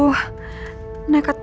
lo semakin dulu